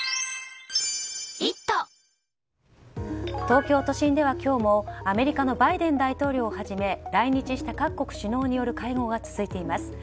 東京都心では今日もアメリカのバイデン大統領をはじめ来日した各国首脳による会合が続いています。